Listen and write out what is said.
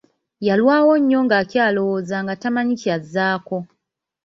Yalwawo nnyo ng'akyalowooza nga tamanyi kyazaako.